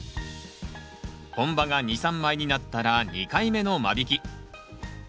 本葉が２３枚になったら２回目の間引き。